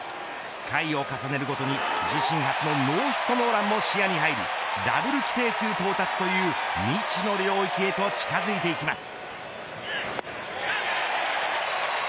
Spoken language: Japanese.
回を重ねるごとに自身初のノーヒットノーランも視野に入りダブル規定数到達という未知の領域へと近づいていきます。